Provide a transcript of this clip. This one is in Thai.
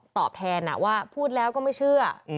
ตอบแทนว่าพูดแล้วก็ไม่เชื่อ